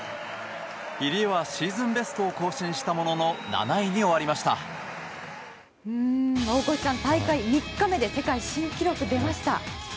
入江はシーズンベストを更新したものの大越さん、大会３日目で世界新記録が出ました。